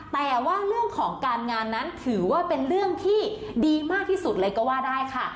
แต่ว่าเรื่องของการงานนั้นถือว่าเป็นเรื่องที่ดีมากที่สุดเลยก็ว่าได้ค่ะ